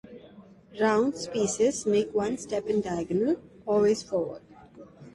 Rounds pieces move one step in diagonal, always forward.